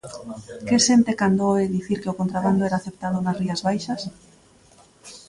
Que sente cando oe dicir que o contrabando era aceptado nas Rías Baixas?